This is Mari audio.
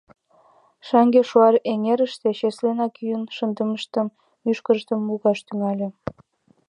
Шаҥге Шуар эҥерыште чеслынак йӱын шындышымат, мӱшкырым лугаш тӱҥале.